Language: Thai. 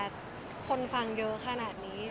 แต่คนฟังเยอะขนาดนี้